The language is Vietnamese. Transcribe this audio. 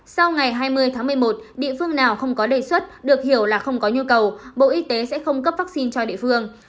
sau ngày hai mươi tháng một mươi một địa phương nào không có đề xuất được hiểu là không có nhu cầu bộ y tế sẽ không cấp vaccine cho địa phương